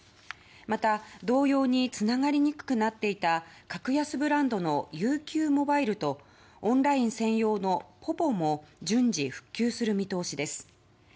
また、同様につながりにくくなっていた格安ブランドのＵＱモバイルとオンライン専用のｐｏｖｏも順次復旧する見通しです。